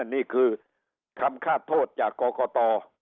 นี่คือคำฆาตโทษจากกรกต